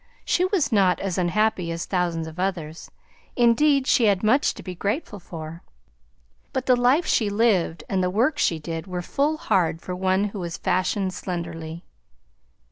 She was not as unhappy as thousands of others; indeed, she had much to be grateful for, but the life she lived and the work she did were full hard for one who was fashioned slenderly.